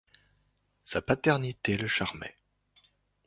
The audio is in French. Sa paternité le charmait.